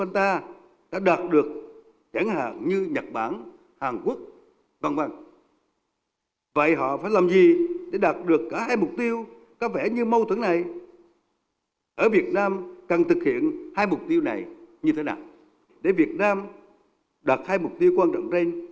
ở việt nam cần thực hiện hai mục tiêu này như thế nào để việt nam đạt hai mục tiêu quan trọng trên